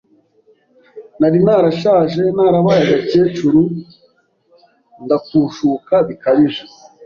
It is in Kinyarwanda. nari narashaje narabaye agakecuru ndakushuka bikabije,